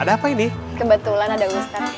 ada apa ini kebetulan ada ustaz